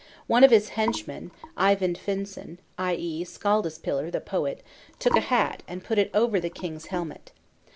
One of his henchmen, Eyvind Finnson (i.e. Skaldaspillir, the poet), took a hat, and put it over the king's helmet.